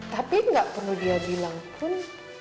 tapi nggak perlu dia bilang pun